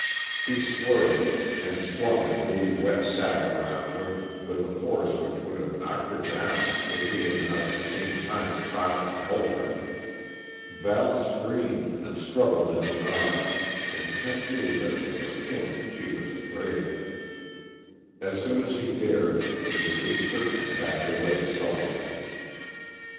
He swerved, and swung a newly wet sack around her with a force which would have knocked her down if he had not at the same time caught and held her. Val screamed, and struggled in his arms, and Kent knew that it was of him she was afraid. As soon as he dared, he released her and backed away sullenly.